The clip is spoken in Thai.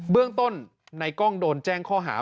เรื่องต้นในกล้องโดนแจ้งข้อหา